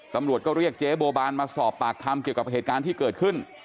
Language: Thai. ตำรวจก็เรียกเจ๊บัวบานมาสอบปากคำเกี่ยวกับเหตุการณ์ที่เกิดขึ้น